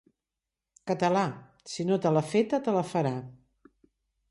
Català, si no te l'ha feta, te la farà.